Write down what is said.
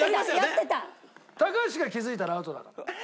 高橋が気付いたらアウトだから。